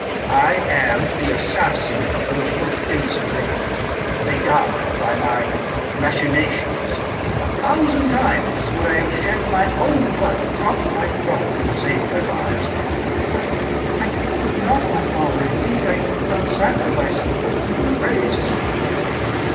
I am the assassin of those most innocent victims; they died by my machinations. A thousand times would I have shed my own blood, drop by drop, to have saved their lives; but I could not, my father, indeed I could not sacrifice the whole human race."